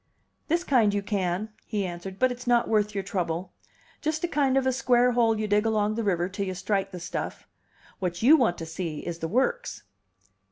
"This kind you can," he answered. "But it's not worth your trouble. Just a kind of a square hole you dig along the river till you strike the stuff. What you want to see is the works."